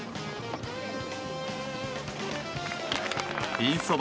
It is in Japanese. ピンそば